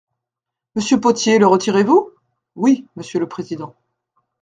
Monsieur Potier, le retirez-vous ? Oui, monsieur le président.